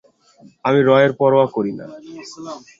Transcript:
আমি রয়ের পরোয়া করি!